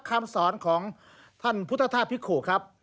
คำสอนของท่านพุทธธาตุพิกุครับ